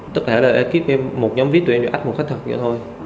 tức là ở đây ekip một nhóm vip tụi em chỉ ách một khách thật vậy thôi